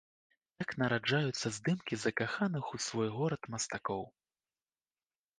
Так нараджаюцца здымкі закаханых у свой горад мастакоў.